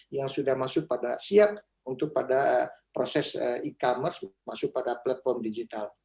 yang sudah masuk pada siap untuk pada proses e commerce masuk pada platform digital